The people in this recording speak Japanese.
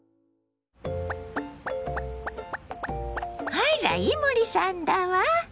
あら伊守さんだわ！